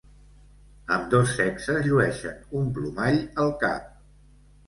Ambdós sexes llueixen un plomall al cap.